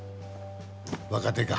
若手か。